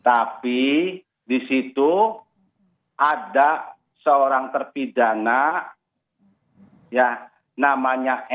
tapi di situ ada seorang terpidana ya namanya